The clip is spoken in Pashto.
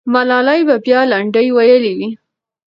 ملالۍ به بیا لنډۍ ویلي وي.